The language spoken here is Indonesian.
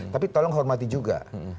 tapi tolong hormati juga